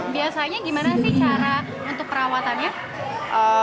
biasanya gimana sih cara untuk perawatannya